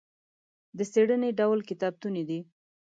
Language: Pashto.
د څېړنې ډول کتابتوني دی.